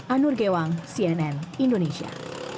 anur gewang cnn indonesia